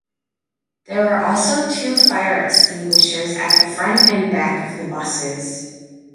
There are also two fire extinguishers at the front and back of the buses.